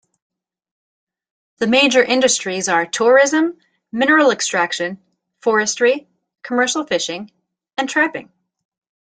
The major industries are tourism, mineral extraction, forestry, commercial fishing and trapping.